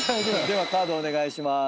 ではカードお願いします。